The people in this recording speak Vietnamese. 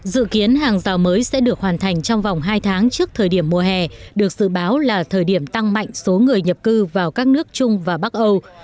dự kiến hàng rào mới sẽ được hoàn thành trong vòng hai tháng trước thời điểm mùa hè được dự báo là thời điểm tăng mạnh số người nhập cư vào các nước trung và bắc âu